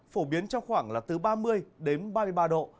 phổ biến trong khoảng là từ ba mươi đến ba mươi ba độ